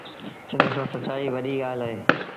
سند سآݩ سچآئيٚ وڏيٚ ڳآل اهي۔